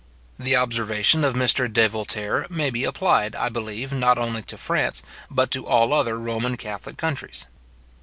The observation of Mr. de Voltaire may be applied, I believe, not only to France, but to all other Roman Catholic countries.